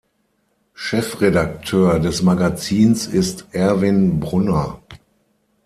Chefredakteur des Magazins ist Erwin Brunner.